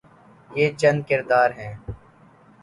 یہ چند کردار ہیں۔